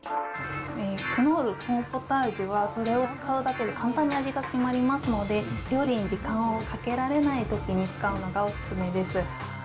クノールコーンポタージュは、それを使うだけで簡単に味が決まりますので、料理に時間をかけられないときに使うのがお勧めです。